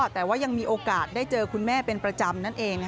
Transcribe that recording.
แต่ว่ายังมีโอกาสได้เจอคุณแม่เป็นประจำนั่นเอง